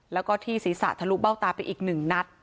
แล้วก็ที่ศีรษะทะลุเบ้าตาไปอีก๑นัด